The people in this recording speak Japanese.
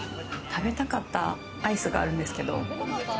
食べたかったアイスがあるんですけど。